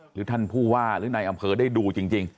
หรือท่านผู้ว่าหรือในอำเภอได้ดูจริง